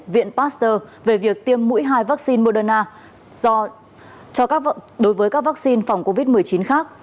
viện pasteur về việc tiêm mũi hai vaccine moderna đối với các vaccine phòng covid một mươi chín khác